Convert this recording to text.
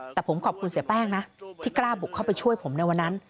แต่ผมขอบคุณเสียแป้งนะที่กล้าบุกเข้าไปช่วยผมในวันนั้น